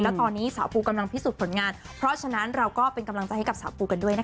แล้วตอนนี้สาวปูกำลังพิสูจน์ผลงานเพราะฉะนั้นเราก็เป็นกำลังใจให้กับสาวปูกันด้วยนะคะ